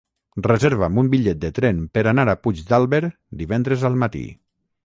Reserva'm un bitllet de tren per anar a Puigdàlber divendres al matí.